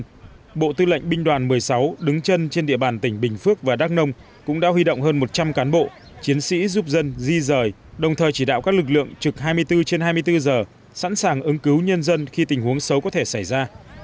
trước đó bộ tư lệnh binh đoàn một mươi sáu đứng chân trên địa bàn tỉnh bình phước và đắk nông cũng đã huy động hơn một trăm linh cán bộ chiến sĩ giúp dân di rời đồng thời chỉ đạo các lực lượng trực hai mươi bốn trên hai mươi bốn giờ sẵn sàng ứng cứu nhân dân khi tình huống xấu có thể xảy ra